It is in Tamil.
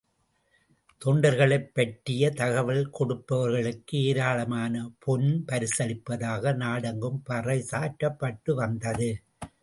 தொண்டர்களைப் பற்றிய தகவல் கொடுப்பவர்களுக்கு ஏராளமான பொன் பரிசளிப்பதாக நடெங்கும் பறைசாற்றப்பட்டு வந்தது.